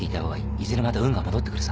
いずれまた運が戻ってくるさ。